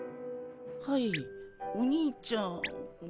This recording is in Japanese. はいお兄ちゃん？